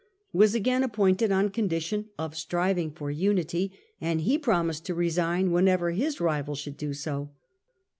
was again appointed on con dition of striving for unity, and he promised to resign whenever his rival should do so.